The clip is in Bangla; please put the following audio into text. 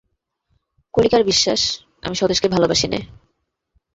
কলিকার বিশ্বাস, আমি স্বদেশকে ভালোবাসি নে।